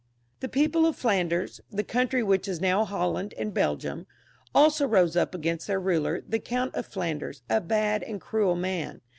The people of Flanders, the country which is now Holland and Belgium, also rose up against their ruler, the Count of Flanders, a bad and cruel man.